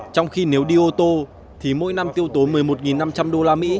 trong khi nếu đi ô tô thì mỗi năm tiêu tốn một mươi một năm trăm linh usd